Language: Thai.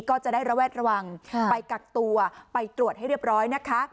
ก็จะได้ระแวดระวังไปกักตัวไปตรวจให้เรียบร้อยนะคะ